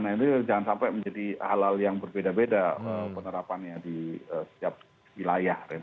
nah ini jangan sampai menjadi hal hal yang berbeda beda penerapannya di setiap wilayah